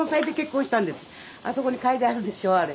あそこに書いてあるでしょうあれ。